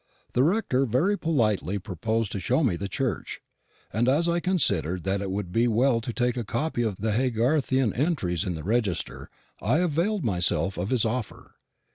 The rector very politely proposed to show me the church; and as I considered that it would be well to take a copy of the Haygarthian entries in the register, I availed myself of his offer.